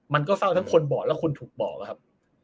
มันก็เศร้าทั้งคนบอกและคนถูกบอกอะครับ